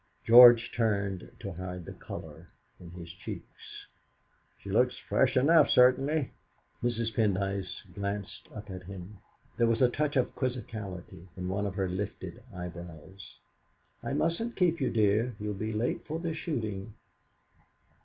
George turned, to hide the colour in his cheeks. "She looks fresh enough, certainly." Mrs. Pendyce glanced up at him; there was a touch of quizzicality in one of her lifted eyebrows. "I mustn't keep you, dear; you'll be late for the shooting."